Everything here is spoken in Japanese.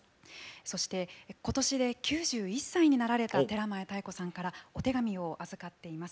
そしてことしで９１歳になられた寺前妙子さんからお手紙を預かっています。